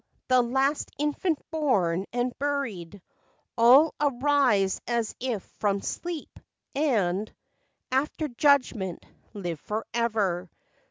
93 The last infant born and buried; All arise as if from sleep, and— After judgment—live forever